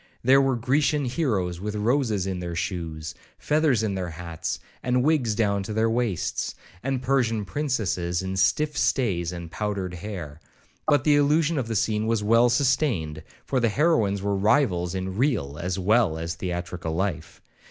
There were Grecian heroes with roses in their shoes, feathers in their hats, and wigs down to their waists; and Persian princesses in stiff stays and powdered hair. But the illusion of the scene was well sustained, for the heroines were rivals in real as well as theatrical life.